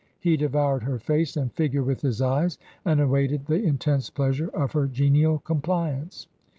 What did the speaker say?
He devoured her face and figure with his eyes, and awaited the intense pleasure of her genial compliance.